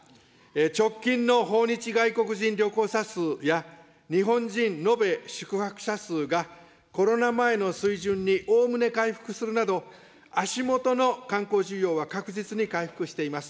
直近の訪日外国人旅行者数や日本人延べ宿泊者数が、コロナ前の水準におおむね回復するなど、足下の観光需要は確実に回復しています。